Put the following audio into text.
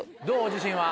自信は。